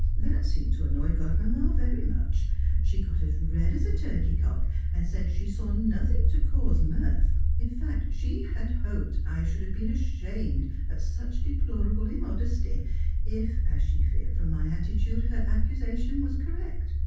That seemed to annoy Godmamma very much; she got as red as a turkey cock, and said she saw nothing to cause mirth in fact, she had hoped I should have been ashamed at such deplorable immodesty, if, as she feared from my attitude, her accusation was correct.